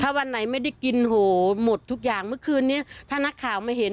วันไหนไม่ได้กินโหหมดทุกอย่างเมื่อคืนนี้ถ้านักข่าวมาเห็น